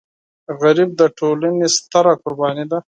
غریب د ټولنې ستره قرباني ده